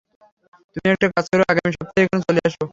তুমি একটা কাজ করো, আগামী সপ্তাহেই এখানে চলে এসো।